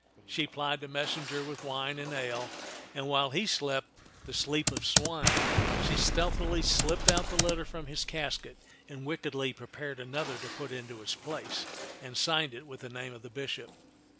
She plied the messenger with wine and ale, and while he slept the sleep of swine, she stealthily slipped out the letter from his casket and wickedly prepared another to put into its place and signed it with the name of the bishop.